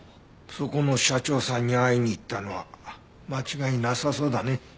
そこの社長さんに会いに行ったのは間違いなさそうだね。